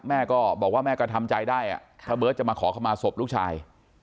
แม่ก็บอกว่าแม่ก็ทำใจได้ถ้าเบิร์ตจะมาขอเข้ามาศพลูกชาย